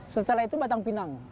setelah itu batang pinang